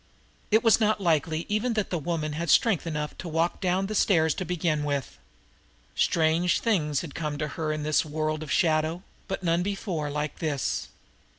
It was not likely even that the woman had strength enough to walk down the stairs to begin with. Strange things had come to her in this world of shadow, but none before like this.